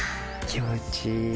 気持ちいい。